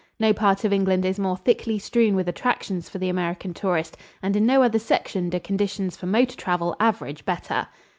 No part of England is more thickly strewn with attractions for the American tourist and in no other section do conditions for motor travel average better.